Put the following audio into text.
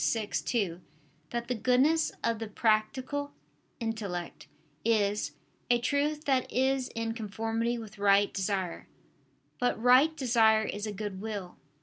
vi, 2) that the goodness of the practical intellect is "a truth that is in conformity with right desire." But right desire is a good will.